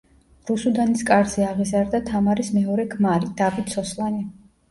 რუსუდანის კარზე აღიზარდა თამარის მეორე ქმარი დავით სოსლანი.